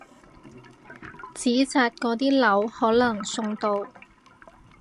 紙紮嗰啲樓可能送到！